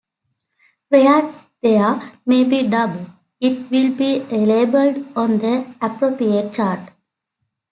Where there may be doubt, it will be labelled on the appropriate chart.